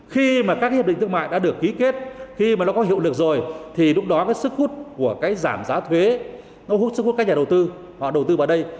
khi mà các hiệp định thương mại đã được ký kết khi mà nó có hiệu lực rồi thì lúc đó cái sức hút của cái giảm giá thuế nó hút sức hút các nhà đầu tư họ đầu tư vào đây